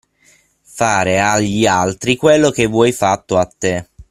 Fare agli altri quello che vuoi fatto a te.